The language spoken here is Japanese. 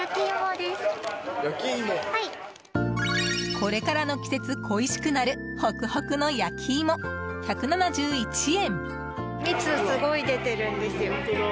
これからの季節恋しくなるホクホクの焼き芋、１７１円。